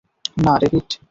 না, ডেভিড!